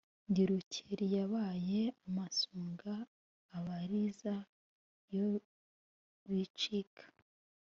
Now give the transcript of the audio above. ndi rukelikibaye amasonga abaliriza iyo bicika.